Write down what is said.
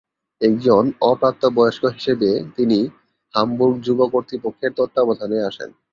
একজন অপ্রাপ্তবয়স্ক হিসেবে তিনি হামবুর্গ যুব কর্তৃপক্ষের তত্ত্বাবধানে আসেন।